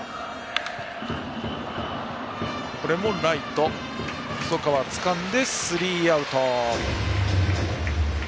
ライト、細川がつかんでスリーアウト。